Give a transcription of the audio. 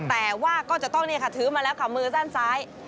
แต่ว่าก็จะต้องถือมาแล้วค่ะมือด้านซ้าย